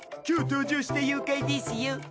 今日登場した妖怪ですよ。